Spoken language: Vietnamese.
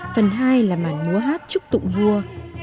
phần hai là màn múa hát chúc tụng vua